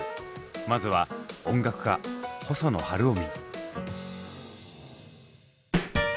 まずは音楽家細野晴臣。